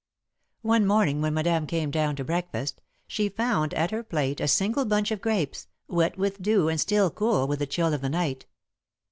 One morning when Madame came down to breakfast, she found at her plate a single bunch of grapes, wet with dew and still cool with the chill of the night.